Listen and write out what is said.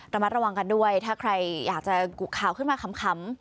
ระมัดระวังกันด้วยถ้าใครอยากจะกุข่าวขึ้นมาขำ